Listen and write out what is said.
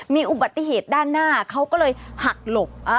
มีอุบัติเหตุด้านหน้าเขาก็เลยหักหลบ